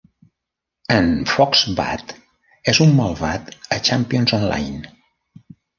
En Foxbat és un malvat a "Champions Online".